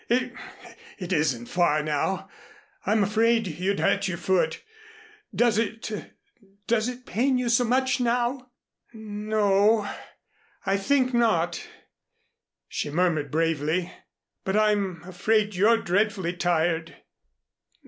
It it isn't far now. I'm afraid you'd hurt your foot. Does it does it pain you so much now?" "N o, I think not," she murmured bravely. "But I'm afraid you're dreadfully tired."